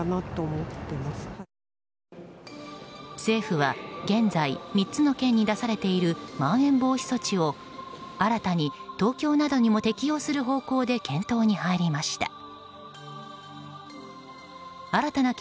政府は現在３つの県に出されているまん延防止措置を新たに東京などにも適用する方向で検討に入りました。